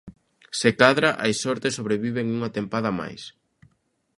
Se cadra hai sorte e sobreviven unha tempada máis!